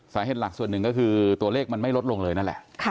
สาเหตุหลักส่วนหนึ่งก็คือตัวเลขมันไม่ลดลงเลยนั่นแหละ